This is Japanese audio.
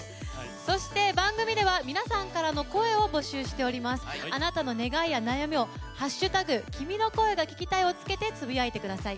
そして、番組では皆さんからのあなたの願いや悩みを「＃君の声が聴きたい」をつけてつぶやいてください。